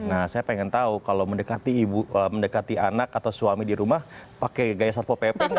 nah saya pengen tahu kalau mendekati anak atau suami di rumah pakai gaya satpo pp nggak